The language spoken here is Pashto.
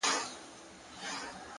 ساده ژوند د ذهن سکون دی!